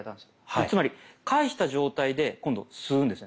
つまりかえした状態で今度吸うんですね。